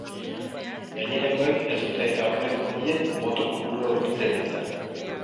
Gainerakoek ez dute aurreneko bien boto kopurura hurbiltzerik izan.